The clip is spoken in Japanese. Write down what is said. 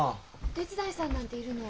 お手伝いさんなんているの？